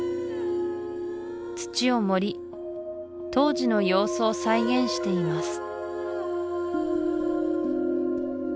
土を盛り当時の様子を再現しています